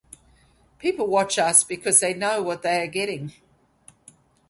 People watch us because they know what they are getting.